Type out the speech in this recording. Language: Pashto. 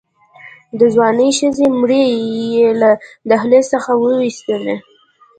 د ځوانې ښځې مړی يې له دهلېز څخه ووېسته.